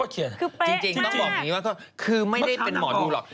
จริงต้องบอกอย่างนี้ว่าก็คือไม่ได้เป็นหมอดูหรอก